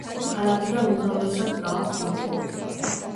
ქალაქიდან უმთავრესად გააქვთ ნავთობი.